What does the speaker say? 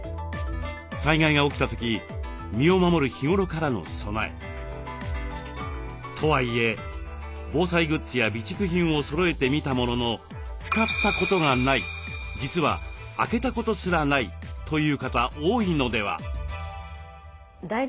災害が起きた時身を守る日頃からの備え。とはいえ防災グッズや備蓄品をそろえてみたものの使ったことがない実は開けたことすらないという方多いのでは？